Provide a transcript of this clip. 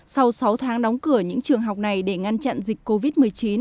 sau sáu tháng đóng cửa những trường học này để ngăn chặn dịch covid một mươi chín